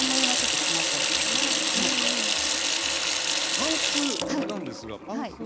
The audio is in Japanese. パンツなんですがパンツも。